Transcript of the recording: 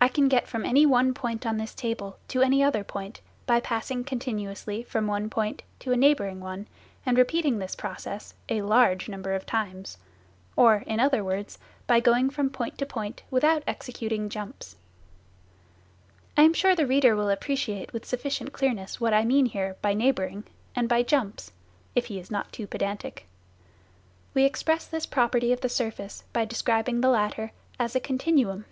I can get from any one point on this table to any other point by passing continuously from one point to a " neighbouring " one, and repeating this process a (large) number of times, or, in other words, by going from point to point without executing "jumps." I am sure the reader will appreciate with sufficient clearness what I mean here by " neighbouring " and by " jumps " (if he is not too pedantic). We express this property of the surface by describing the latter as a continuum.